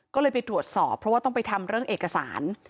ก็เลยไปตรวจสอบเพราะว่าต้องไปทำเรื่องเอกสาร